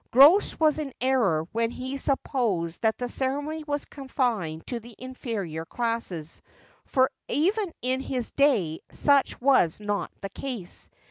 Grose was in error when he supposed that the ceremony was confined to the inferior classes, for even in his day such was not the case.